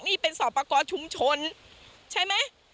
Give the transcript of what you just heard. นี่เป็นสอบประกอบชุมชนใช่ไหม